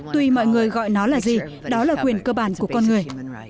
tùy mọi người gọi nó là gì đó là quyền cơ bản của con người